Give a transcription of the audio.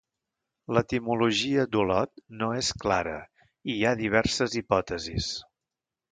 L'etimologia d'Olot no és clara i hi ha diverses hipòtesis.